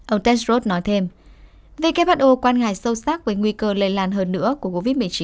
ông tedshros nói thêm who quan ngại sâu sắc với nguy cơ lây lan hơn nữa của covid một mươi chín